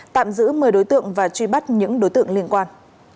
tạm giữ một mươi đối tượng và truy bắt những đối tượng liên quan